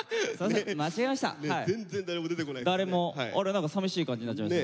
何かさみしい感じになっちゃいました。